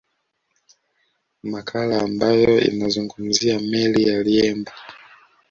Makala ambayo inazungumzia meli ya Liemba